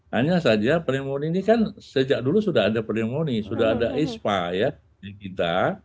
hanya saja pneumonia ini kan sejak dulu sudah ada pneumonia sudah ada ispa ya di kita